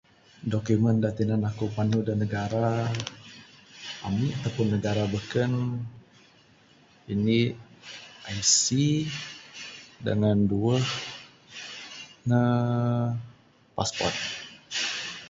Dokumen da tinan aku panu da negara ami ataupun negara beken...inik ic dangan duweh ne passport.